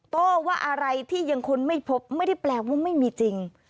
โต้ว่าอะไรที่ยังค้นไม่พบไม่ได้แปลว่าไม่มีจริง